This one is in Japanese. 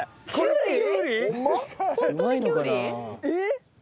えっ？